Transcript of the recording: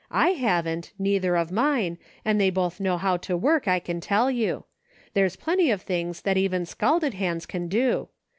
I haven't ; neither of mine ; and they both know how to work, I can tell you ; there's plenty of things that even scalded hands can do.